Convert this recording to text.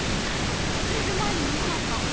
忘れる前にもう鳴った！